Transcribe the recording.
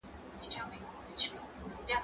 زه به مېوې راټولې کړي وي،